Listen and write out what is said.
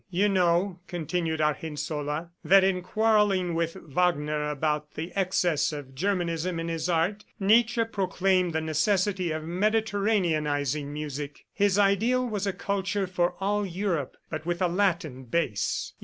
"You know," continued Argensola, "that in quarrelling with Wagner about the excess of Germanism in his art, Nietzsche proclaimed the necessity of mediterraneanizing music. His ideal was a culture for all Europe, but with a Latin base."